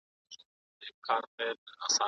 خو پښتو ته ځانګړې پاملرنه کوو.